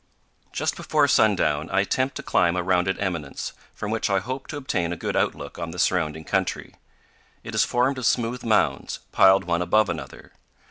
Just before sundown I attempt to climb a rounded eminence, from which I hope to obtain a good outlook on the surrounding country. It is formed of smooth mounds, piled one above another.